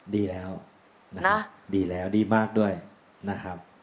ดีแล้วนะฮะดีแล้วดีมากด้วยนะครับ